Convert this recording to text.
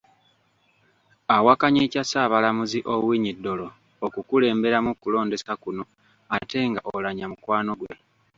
Awakanya ekya Ssaabalamuzi Owiny Dollo okukulemberamu okulondesa kuno ate nga Oulanyah mukwano gwe .